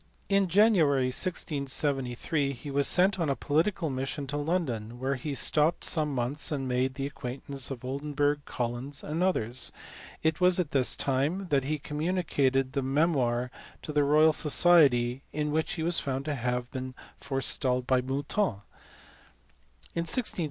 In January, 1673, he was sent on a political mission to London, where he stopped some months and made the acquaintance of Oldenburg, Collins, and others : it was at this time that he communicated the memoir to the Royal Society in which he was found to have been forestalled by Mouton, (see above, p.